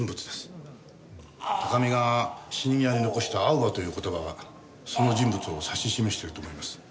高見が死に際に残したアオバという言葉はその人物を指し示していると思います。